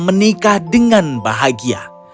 menikah dengan bahagia